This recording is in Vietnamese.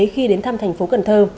khi đến thăm tp cn